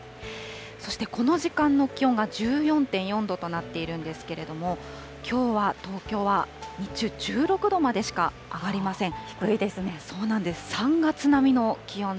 そしてこの時間の気温が１４．４度となっているんですけれども、きょうは東京は日中、１６度までしか上がりません。